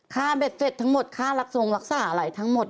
ค่าเบ็ดเฟ็ดทั้งหมดค่ารักษงรักษาอะไรทั้งหมด